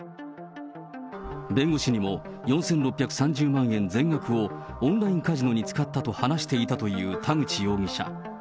弁護士にも、４６３０万円全額をオンラインカジノに使ったと話していたという田口容疑者。